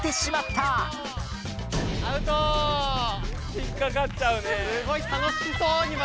ひっかかっちゃうねえ。